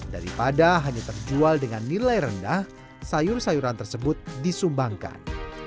daripada hanya terjual dengan nilai rendah sayur sayuran tersebut disumbangkan